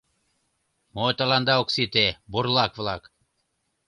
— Мо тыланда ок сите, бурлак-влак?